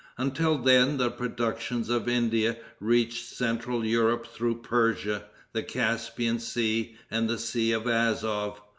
Until then the productions of India reached central Europe through Persia, the Caspian Sea and the Sea of Azof.